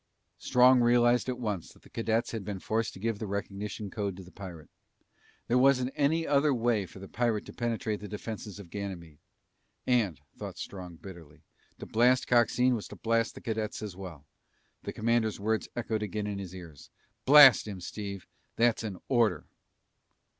Strong realized at once that the cadets had been forced to give the recognition code to the pirate. There wasn't any other way for the pirate to penetrate the defenses of Ganymede. And, thought Strong bitterly, to blast Coxine was to blast the cadets as well. The commander's words echoed again in his ears, "... blast him, Steve! That's an order!"